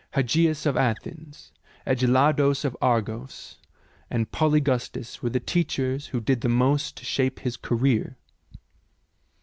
Hegias of Athens, Agelados of Argos, and Poly gustus were the teachers who did the most to shape his career.